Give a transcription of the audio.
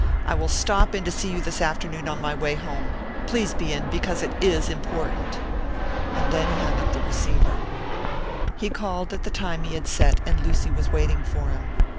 "I will stop in to see you this afternoon on my way home. Please be in, because it is important." And then he hung up the receiver. He called at the time he had set, and Lucy was waiting for him.